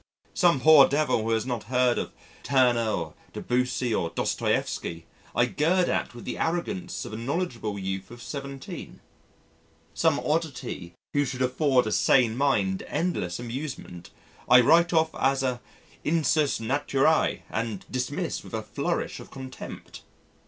Some poor devil who has not heard of Turner or Debussy or Dostoieffsky I gird at with the arrogance of a knowledgeable youth of 17. Some oddity who should afford a sane mind endless amusement, I write off as a Insus naturæ and dismiss with a flourish of contempt.